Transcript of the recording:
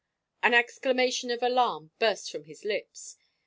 An exclamation of alarm burst from his lips.